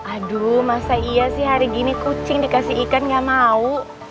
aduh masa iya sih hari gini kucing dikasih ikan gak mau